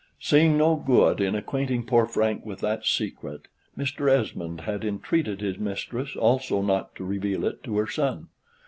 Seeing no good in acquainting poor Frank with that secret, Mr. Esmond had entreated his mistress also not to reveal it to her son.